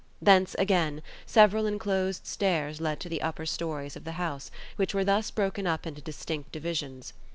Thence again, several enclosed stairs led to the upper storeys of the house, which were thus broken up into distinct divisions.